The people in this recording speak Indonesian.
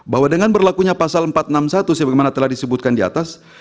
bahwa dengan berlakunya pasal empat ratus enam puluh satu sebagaimana telah disebutkan di atas